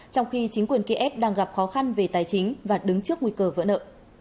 trong khi chính quyền kiev đang gặp khó khăn về tài chính và đứng trước nguy cơ vỡ nợ